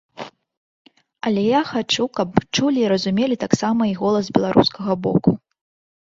Але я хачу, каб чулі і разумелі таксама і голас беларускага боку.